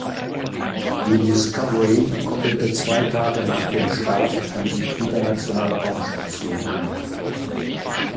Die Discovery koppelte zwei Tage nach dem Start an die Internationale Raumstation an.